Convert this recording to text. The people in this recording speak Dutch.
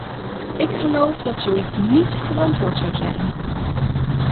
Ik geloof dat zoiets niet verantwoord zou zijn.